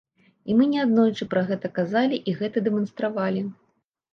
І мы неаднойчы пра гэта казалі і гэта дэманстравалі.